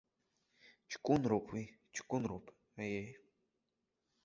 Ҷкәынроуп уи, ҷкәынроуп, аиеи.